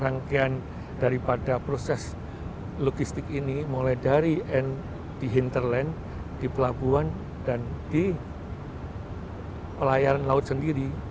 rangkaian daripada proses logistik ini mulai dari end di hinterland di pelabuhan dan di pelayaran laut sendiri